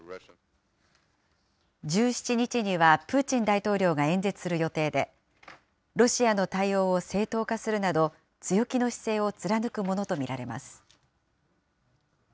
１７日にはプーチン大統領が演説する予定で、ロシアの対応を正当化するなど、強気の姿勢を貫くものと見られます。